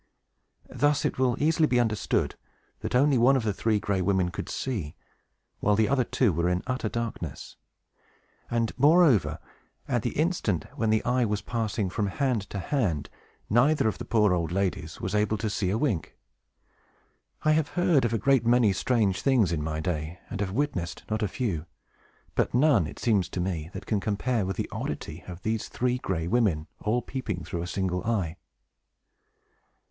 Thus it will easily be understood that only one of the Three Gray Women could see, while the other two were in utter darkness; and, moreover, at the instant when the eye was passing from hand to hand, neither of the poor old ladies was able to see a wink. I have heard of a great many strange things, in my day, and have witnessed not a few; but none, it seems to me, that can compare with the oddity of these Three Gray Women, all peeping through a single eye.